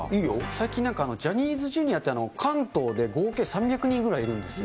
最近なんか、ジャニーズＪｒ．って関東で合計３００人ぐらいいるんですよ。